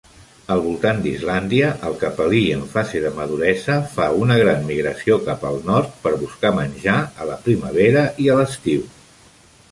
Al voltant d"Islàndia, el capelí, en fase de maduresa, fa una gran migració cap al nord per buscar menjar, a la primavera i a l"estiu.